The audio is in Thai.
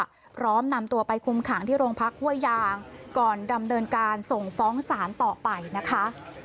พร้อมนำตัวไปคุมขังที่โรงพักห้วยยางก่อนดำเนินการส่งฟ้องศาลต่อไปนะคะ